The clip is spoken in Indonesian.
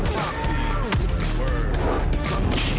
tidak dia sudah kembali